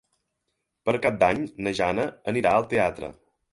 Per Cap d'Any na Jana anirà al teatre.